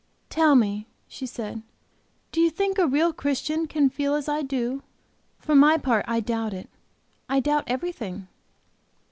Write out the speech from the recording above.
"Tell me," she said, "do you think a real Christian can feel as I do? For my part I doubt it. I doubt everything."